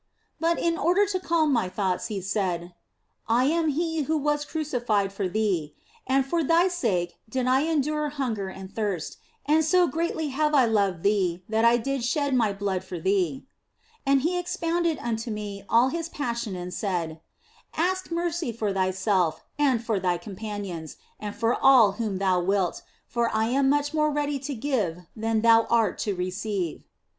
But in order to calm my doubts He said :" I am He who was crucified for 164 THE BLESSED ANGELA th.ee, and for thy sake did I endure hunger and thirst, and so greatly have I loved thee that I did shed My blood for thee," and He expounded unto me all His Passion and said :" Ask mercy for thyself and for thy companions and for all whom thou wilt, for I am much more ready to give than thou art to receive."